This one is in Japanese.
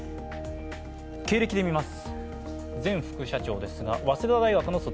経歴で見ます。